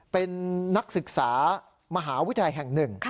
เป็นนักศึกษามหาวิทยาลัยแห่งหนึ่ง